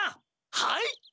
はい！